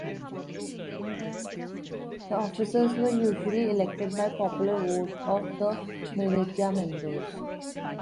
The officers were usually elected by popular vote of the militia members.